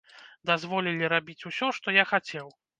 Дазволілі рабіць усё, што я хацеў.